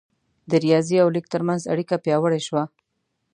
د ریاضي او لیک ترمنځ اړیکه پیاوړې شوه.